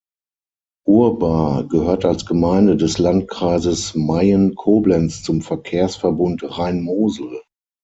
Urbar gehört als Gemeinde des Landkreises Mayen-Koblenz zum Verkehrsverbund Rhein-Mosel.